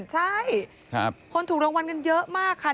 ใช่คนถูกรางวัลกันเยอะมากค่ะ